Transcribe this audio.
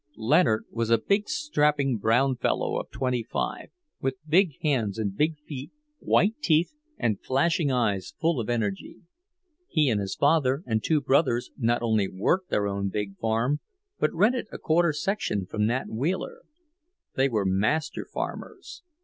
Leonard was a strapping brown fellow of twenty five, with big hands and big feet, white teeth, and flashing eyes full of energy. He and his father and two brothers not only worked their own big farm, but rented a quarter section from Nat Wheeler. They were master farmers.